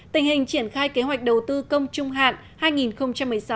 tình hình triển khai kế hoạch đầu tư công trung hạn hai nghìn một mươi sáu hai nghìn hai mươi